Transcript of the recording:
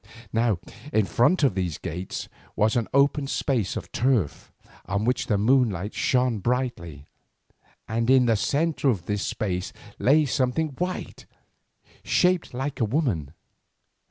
Now in front of these gates was an open space of turf on which the moonlight shone brightly, and in the centre of this space lay something white, shaped like a woman.